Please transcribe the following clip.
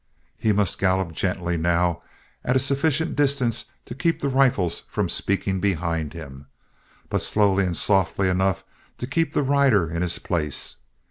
He must gallop gently, now, at a sufficient distance to keep the rifles from speaking behind him, but slowly and softly enough to keep the rider in his place.